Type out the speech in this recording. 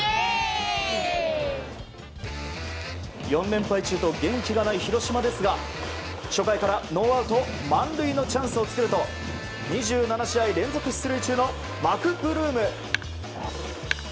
４連敗中と元気がない広島ですが初回からノーアウト満塁のチャンスを作ると２７試合連続出塁中のマクブルーム。